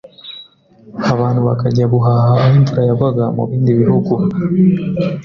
abantu bakajya guhaha aho imvura yagwaga mubindi bihugu